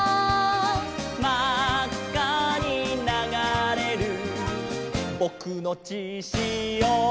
「まっかにながれるぼくのちしお」